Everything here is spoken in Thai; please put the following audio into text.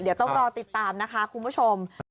เดี๋ยวต้องรอติดตามนะคะคุณผู้ชม